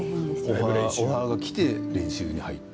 これもオファーがきて練習に入った？